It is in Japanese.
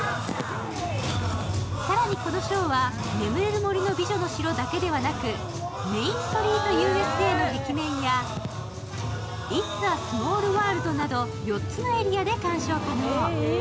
更にこのショーは「眠れる森の美女」だけでなくメインストリートＵＳＡの壁面やイッツ・ア・スモールワールドなど４つのエリアで鑑賞可能。